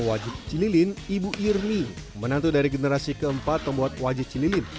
wajib cililin ibu irmi menantu dari generasi keempat pembuat wajit cililin